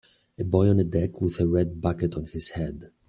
A boy on a deck with a red bucket on his head.